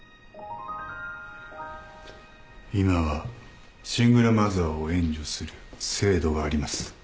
今はシングルマザーを援助する制度があります。